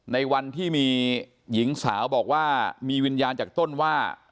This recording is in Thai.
ในวันที่มีหญิงสาวบอกว่ามีวิญญาณจากต้นว่า